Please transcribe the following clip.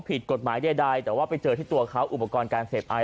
ผิดกฎหมายใดแต่ว่าไปเจอที่ตัวเขาอุปกรณ์การเสพไอ